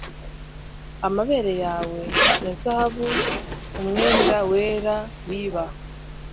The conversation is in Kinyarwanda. Amabere yawe ya zahabu umwenda wera wiba